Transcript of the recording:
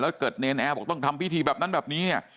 แล้วเกิดเนรนแอร์บอกต้องทำพิธีแบบนั้นแบบนี้เนี่ย